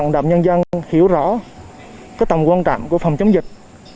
làm nhân dân hiểu rõ cái tầm quan trạng của phòng chống dịch